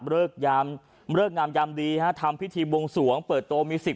เลิกยามเลิกงามยามดีฮะทำพิธีบวงสวงเปิดโตมีสิบ